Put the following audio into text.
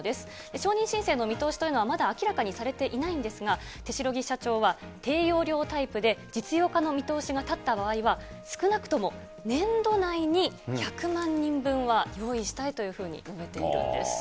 承認申請の見通しというのはまだ明らかにされていないんですが、手代木社長は、低用量タイプで実用化の見通しが立った場合は、少なくとも年度内に１００万人分は用意したいというふうに述べているんです。